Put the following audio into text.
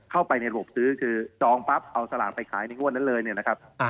เข้าไปในระบบซื้อคือจองปั๊บเอาสลากไปขายในงวดนั้นเลยเนี่ยนะครับ